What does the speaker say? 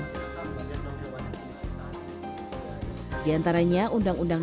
dengan menetapkan sejumlah regulasi dan aturan perundang undangan